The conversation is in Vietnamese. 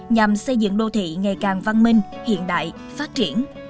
nhằm xây dựng đô thị ngày càng văn minh hiện đại phát triển